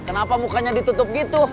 kenapa mukanya ditutup gitu